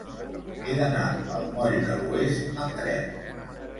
He d'anar al moll de l'Oest amb tren.